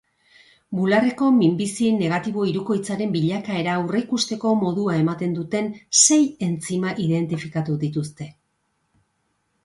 Bularreko minbizi negatibo hirukoitzaren bilakaera aurreikusteko modua ematen duten sei entzima identifikatu dituzte.